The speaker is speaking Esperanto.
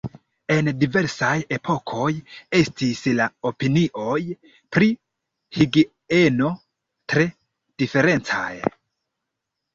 En diversaj epokoj estis la opinioj pri higieno tre diferencaj.